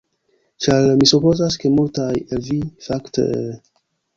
Ĉar, mi supozas ke multaj el vi, fakte...